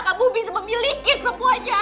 kamu bisa memiliki semuanya